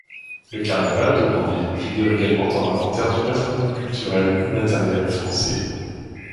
La Carnaval de Granville figure également dans l'Inventaire du patrimoine culturel immatériel français.